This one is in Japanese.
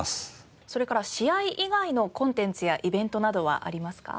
それから試合以外のコンテンツやイベントなどはありますか？